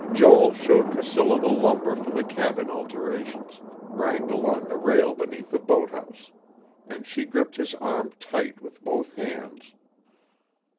Joel showed Priscilla the lumber for the cabin alterations, ranked along the rail beneath the boathouse; and she gripped his arm tight with both hands.